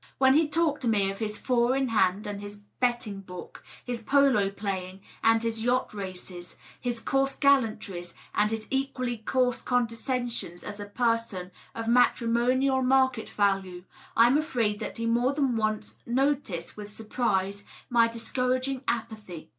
When he talked to me of his four in hand and his betting book, his polo playing and his yacht races, his coarse gallantries and his equally coarse condescensions as a person of matrimonial market value, I am afraid that he more than once noticed with surprise my discouraging apathy.